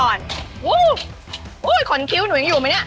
โอ้โหขนคิ้วหนูยังอยู่ไหมเนี่ย